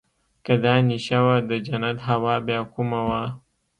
که دا نېشه وه د جنت هوا بيا کومه وه.